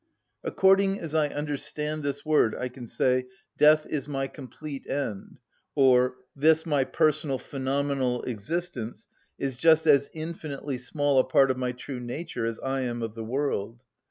According as I understand this word I can say, "Death is my complete end;" or, "This my personal phenomenal existence is just as infinitely small a part of my true nature as I am of the world."